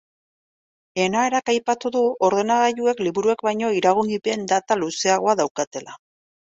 Enarak aipatu du ordenagailuek liburuek baino iraungipen data luzeagoa daukatela.